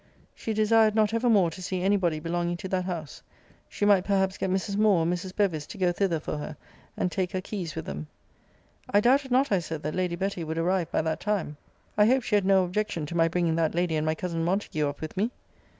She desired not ever more to see any body belonging to that house. She might perhaps get Mrs. Moore or Mrs. Bevis to go thither for her, and take her keys with them. I doubted not, I said, that Lady Betty would arrive by that time. I hoped she had no objection to my bringing that lady and my cousin Montague up with me?